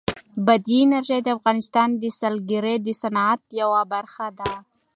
بادي انرژي د افغانستان د سیلګرۍ د صنعت یوه برخه ده.